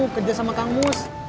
kerja sama kang mus